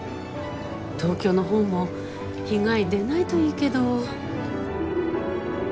東京の方も被害出ないといいけど。